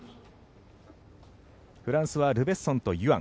フランスはルベッソンとユアン。